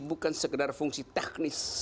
bukan sekedar fungsi teknis